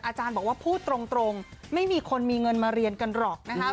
อาจารย์บอกว่าพูดตรงไม่มีคนมีเงินมาเรียนกันหรอกนะคะ